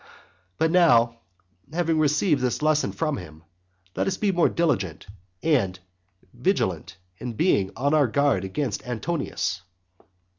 But now, having received this lesson from him, let us be the more diligent and vigilant in being on our guard against Antonius.